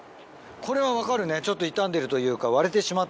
これは分かるねちょっと傷んでるというか。